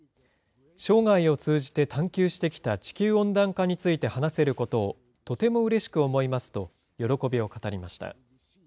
生涯を通じて探求してきた地球温暖化について話せることを、とてもうれしく思いますと喜びを語りました。